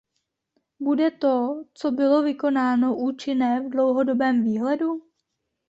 Bude to, co bylo vykonáno, účinné v dlouhodobém výhledu?